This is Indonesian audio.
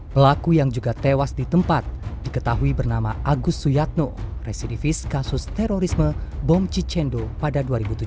pelaku yang juga tewas di tempat diketahui bernama agus suyatno residivis kasus terorisme bom cicendo pada dua ribu tujuh belas